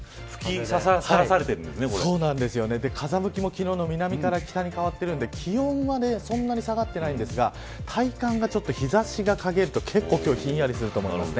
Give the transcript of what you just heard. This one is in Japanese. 風向きも昨日の南から北に変わっているので気温はそんなに下がっていないのですが体感は日差しが陰ると結構冷えると思います。